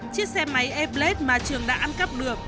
chiếc xe máy a blaze mà trường đã ăn cắp được